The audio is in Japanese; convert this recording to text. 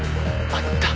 あった。